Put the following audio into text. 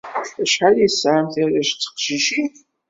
Acḥal i tesɛamt arrac d teqcicin?